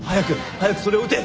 早くそれを打て。